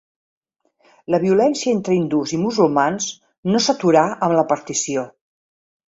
La violència entre hindús i musulmans no s'aturà amb la partició.